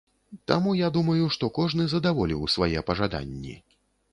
Таму, я думаю, што кожны задаволіў свае пажаданні.